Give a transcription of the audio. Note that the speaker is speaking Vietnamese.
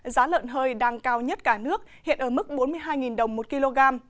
giá lợn hơi đang cao nhất cả nước hiện ở mức bốn mươi hai đồng một kg